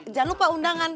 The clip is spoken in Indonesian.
jangan lupa undangan